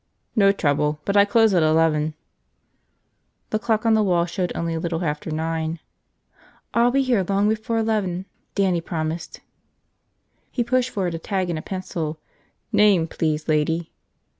"No trouble. But I close at eleven." The clock on the wall showed only a little after nine. "I'll be here long before eleven," Dannie promised. He pushed forward a tag and a pencil. "Name, please, lady."